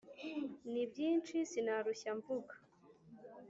ni byinshi sinarushya mvuga